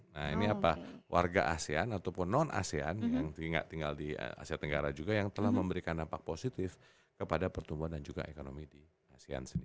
nah ini apa warga asean ataupun non asean yang tinggal di asia tenggara juga yang telah memberikan dampak positif kepada pertumbuhan dan juga ekonomi di asean sendiri